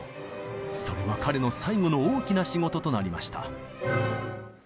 それは彼の最後の大きな仕事となりました。